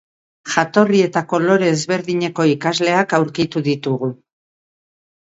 Jatorri eta kolore ezberdineko ikasleak aurkitu ditugu.